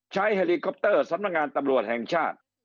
เฮลิคอปเตอร์สำนักงานตำรวจแห่งชาติ